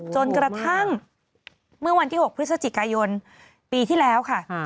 จนกระทั่งเมื่อวันที่๖พฤศจิกายนปีที่แล้วค่ะ